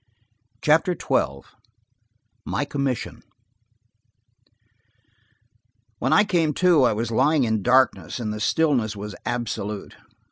CHAPTER XII MY COMMISSION WHEN I came to, I was lying in darkness, and the stillness was absolute.